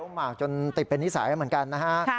หมากจนติดเป็นนิสัยเหมือนกันนะฮะ